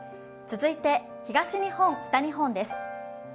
続いて東日本・北日本です。